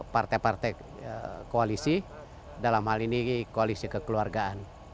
partai partai koalisi dalam hal ini koalisi kekeluargaan